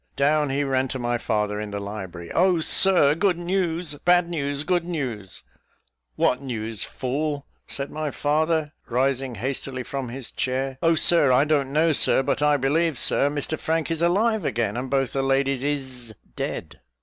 Down he ran to my father in the library; "Oh, Sir good news bad news good news " "What news, fool?" said my father, rising hastily from his chair. "Oh, Sir, I don't know, Sir; but I believe, Sir, Mr Frank is alive again, and both the ladies is dead."